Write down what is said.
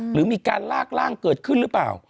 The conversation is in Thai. หรือมีการลากร่างเกิดขึ้นหรือเปล่า